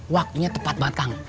waktunya tepat banget kang